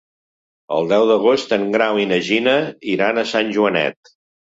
El deu d'agost en Grau i na Gina iran a Sant Joanet.